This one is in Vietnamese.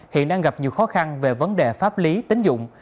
hiện đang gặp nhiều khó khăn về vấn đề pháp lý tính dụng